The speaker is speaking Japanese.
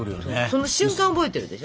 その瞬間覚えてるでしょ？